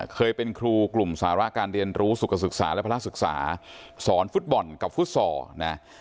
เคยเป็นครูกลุ่มสาระการเรียนรู้สุขศึกษาและภาระศึกษาสอนฟุตบอลกับฟุตซอลนะ